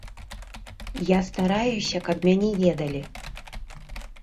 Я стараюся, каб мяне ведалі.